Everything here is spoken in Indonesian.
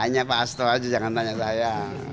tanya pak hasto aja jangan tanya saya